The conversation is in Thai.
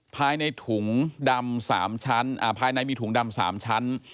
ภายในถุงดำ๓ชั้นภายในมีถุงดำ๓ชั้น